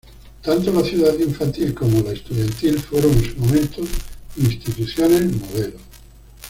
Tanto la Ciudad Infantil como la Estudiantil fueron en su momento instituciones modelo.